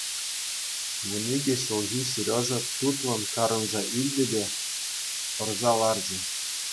Вун икӗ ҫулхи Сережа тутлӑн карӑнса илчӗ те тӑрса ларчӗ.